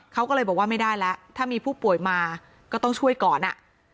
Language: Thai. เขาก็เลยบอกว่าไม่ได้แล้วถ้ามีผู้ป่วยมาก็ต้องช่วยก่อนอ่ะ